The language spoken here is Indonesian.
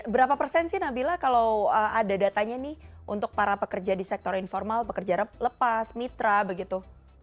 berapa persen sih nabila kalau ada datanya nih untuk para pekerja di sektor informal pekerja lepas mitra begitu